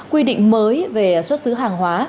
quy định mới về xuất xứ hàng hóa